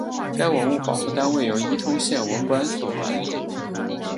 该文物保护单位由伊通县文管所管理。